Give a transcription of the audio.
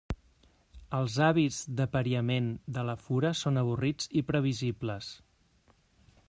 Els hàbits d'apariament de la fura són avorrits i previsibles.